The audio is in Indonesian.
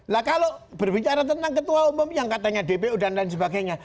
lah kalau berbicara tentang ketua umum yang katanya dpu dan lain sebagainya